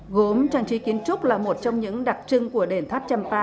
gốm trang trí kiến trúc là một trong những đặc trưng của đền tháp champa